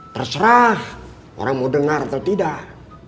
terserah orang mau dengar atau tidak